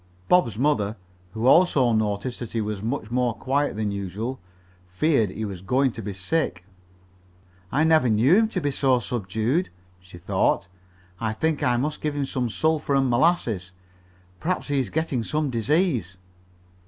Bob's mother, who also noticed that he was much more quiet than usual, feared he was going to be sick. "I never knew him to be so subdued," she thought. "I think I must give him some sulphur and molasses. Perhaps he is getting some disease."